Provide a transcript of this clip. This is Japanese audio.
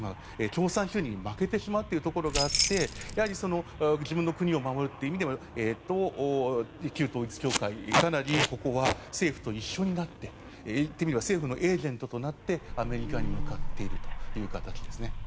共産主義に負けてしまうというところがあって自分の国を守るという意味で旧統一教会はかなり政府と一緒になって言ってみれば政府のエージェントとなってアメリカに向かっているという形ですね。